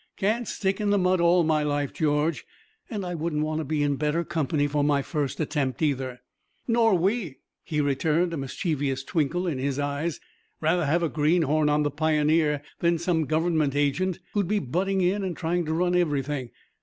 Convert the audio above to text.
"Can't stick in the mud all my life, George. And I wouldn't want to be in better company for my first attempt either." "Nor we," he returned, a mischievous twinkle in his eyes. "Rather have a greenhorn on the Pioneer than some government agent, who'd be butting in and trying to run everything.